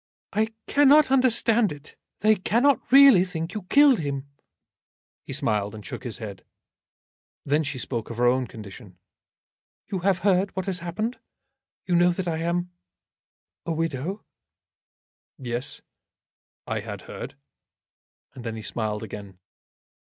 "I cannot understand it. They cannot really think you killed him." He smiled, and shook his head. Then she spoke of her own condition. "You have heard what has happened? You know that I am a widow?" "Yes; I had heard." And then he smiled again.